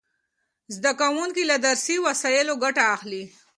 زده کوونکي له درسي وسایلو ګټه اخلي.